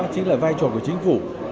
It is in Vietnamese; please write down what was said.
chính là vai trò của chính phủ